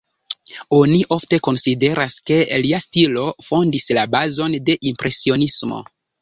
Oni ofte konsideras, ke lia stilo fondis la bazon de impresionismo.